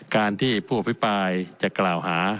การที่ผู้อภิปรายจะกล่าวหา